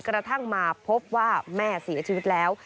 กระทั่งมาพบว่าแม่เสียชีวิตแล้ว